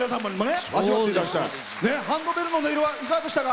ハンドベルの音色いかがでしたか？